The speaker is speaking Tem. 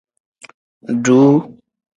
Duu.